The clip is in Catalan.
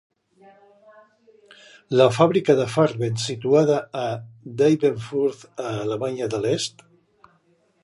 La fàbrica de Farben situada a Dybenfurth, a l'Alemanya de l'Est.